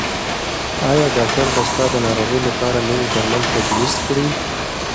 ایا ډاکټر به ستا د ناروغۍ لپاره نوي درمل تجویز کړي؟